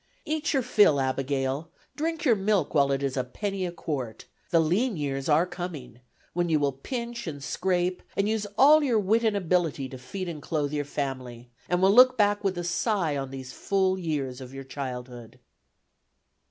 Eat your fill, Abigail! drink your milk while it is a penny a quart; the lean years are coming, when you will pinch and scrape and use all your wit and ability to feed and clothe your family, and will look back with a sigh on these full years of your childhood.